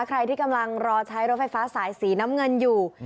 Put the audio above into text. ใครที่กำลังรอใช้รถไฟฟ้าสายสีน้ำเงินอยู่